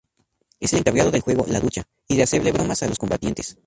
Es el encargado del juego "La Ducha" y de hacerle bromas a los combatientes.